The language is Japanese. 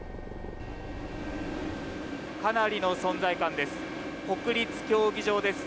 かなりの存在感です。